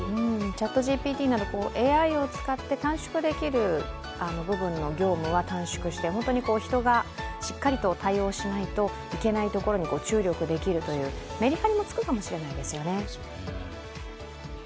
ＣｈａｔＧＰＴなどＡＩを使って短縮できる部分の業務は短縮して、本当に人がしっかりと対応しないといけないところに注力できるという、めりはりもつくかもしれないですよね。